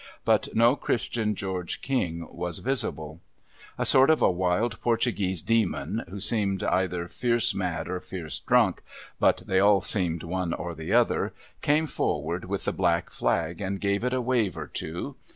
But, no Christian George King was visible. A sort of a wild Portuguese demon, who seemed either fierce mad or fierce drunk— but, they all seemed one or the other — came forward with the black flag, and gave it a wave or two.